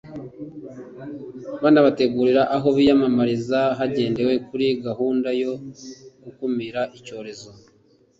banabategurira aho biyamamariza hagendewe kuri gahunda yo gukumira icyorezo